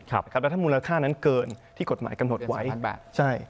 แล้วถ้ามูลค่านั้นเกินที่กฎหมายกำหนดไว้๑๐บาท